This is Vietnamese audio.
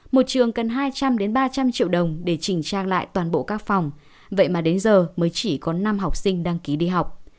một trường cần hai trăm linh ba trăm linh triệu đồng để chỉnh trang lại toàn bộ các phòng vậy mà đến giờ mới chỉ có năm học sinh đăng ký đi học